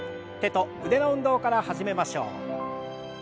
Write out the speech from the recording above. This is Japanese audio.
手と腕の運動から始めましょう。